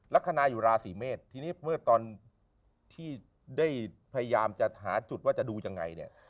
ลักษณะอยู่ราศีเมษทีนี้เมื่อตอนที่ได้พยายามจะหาจุดว่าจะดูยังไงเนี่ย